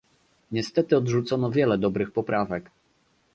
Niestety odrzucono wiele dobrych poprawek